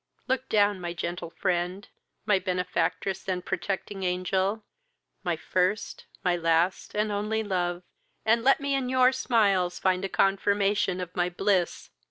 Look down, my gentle friend, my benefactress and protecting angel, my first, my last, and only love, and let me in your smiles find a confirmation of my bliss!